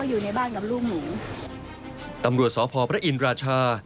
แล้วหนูก็ก็อยู่ในบ้านกับลูกหนูตำรวจสพพระอินราชา